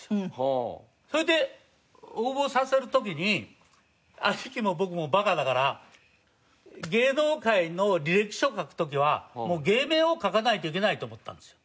それで応募させる時に兄貴も僕もバカだから芸能界の履歴書を書く時はもう芸名を書かないといけないと思ったんですよ。